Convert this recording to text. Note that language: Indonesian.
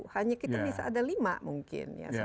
hanya kita bisa ada lima mungkin ya